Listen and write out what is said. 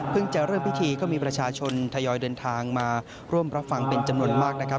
จะเริ่มพิธีก็มีประชาชนทยอยเดินทางมาร่วมรับฟังเป็นจำนวนมากนะครับ